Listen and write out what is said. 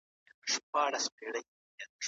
تشې مه کړې دا پیالې خدایه تر هغو